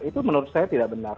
itu menurut saya tidak benar